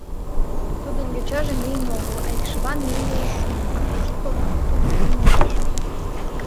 Тудын йочаже лийын огыл, а икшыван лиймыже шуын, а кушт о тудым муаш?